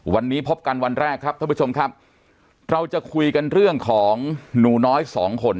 วันนี้พบกันวันแรกครับท่านผู้ชมครับเราจะคุยกันเรื่องของหนูน้อยสองคน